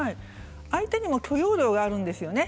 相手にも許容量があるんです。